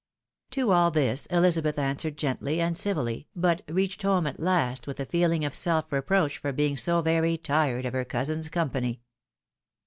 To all this, Elizabeth answered gently and civilly, but reached home at last with a feeling of self reproach for being so very tired of her cousin's company.